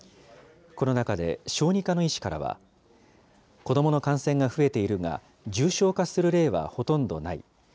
この中で、小児科の医師からは、子どもの感染が増えているが重症化する例はほとんどない。